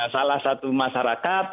salah satu masyarakat